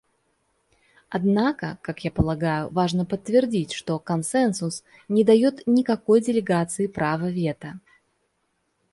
Однако, как я полагаю, важно подтвердить, что консенсус не дает никакой делегации права вето.